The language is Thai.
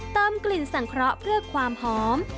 เติมกลิ่นสังเคราะห์เพื่อความหอม